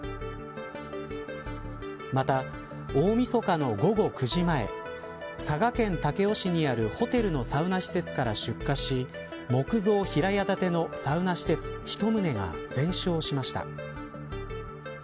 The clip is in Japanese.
また、大みそかの午後９時前佐賀県武雄市にあるホテルのサウナ施設から出火し木造平屋建てのサウナ施設１棟が全焼しました。